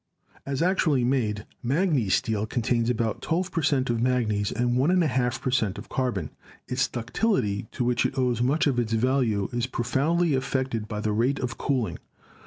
As actually made, manganese steel contains about 12 per cent, of manganese and 1.50 per cent, of carbon. Its ductility, to which it owes much of its value, is pro foundly affected by the rate of cooling.